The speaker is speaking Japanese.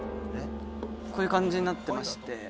こういう感じになってまして。